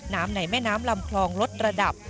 ในแม่น้ำลำคลองลดระดับ